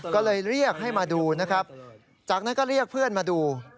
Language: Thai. ก็เลยเรียกให้มาดูนะครับจากนั้นก็เรียกเพื่อนมาดู